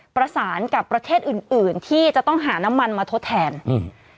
ประสานกับประเทศอื่นอื่นที่จะต้องหาน้ำมันมาทดแทนอืม